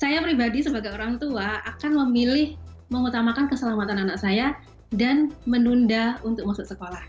saya pribadi sebagai orang tua akan memilih mengutamakan keselamatan anak saya dan menunda untuk masuk sekolah